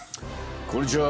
こんにちは！